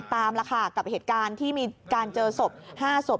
ตามแล้วค่ะกับเหตุการณ์ที่มีการเจอศพ๕ศพ